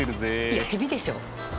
いやヘビでしょ。